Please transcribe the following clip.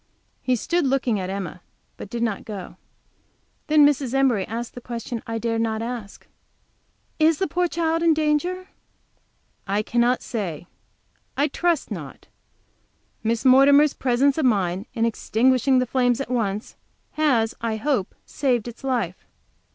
He stood looking at, Emma, but did not go. Then Mrs. Embury asked the question I had not dared to ask. "Is the poor child in danger?" "I cannot say; I trust not. Miss Mortimer's presence of mind in extinguishing the flames at once, has, I hope, saved its life."